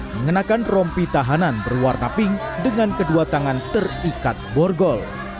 mengenakan rompi tahanan berwarna pink dengan kedua tangan terikat borgol